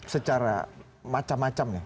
secara macam macam ya